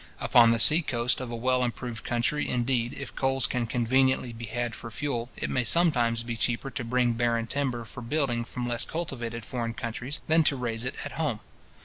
Upon the sea coast of a well improved country, indeed, if coals can conveniently be had for fuel, it may sometimes be cheaper to bring barren timber for building from less cultivated foreign countries than to raise it at home.